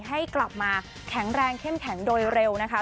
ให้กลับมาแข็งแรงเข้มแข็งโดยเร็วนะคะ